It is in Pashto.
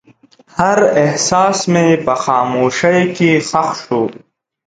هر احساس مې په خاموشۍ کې ښخ شو.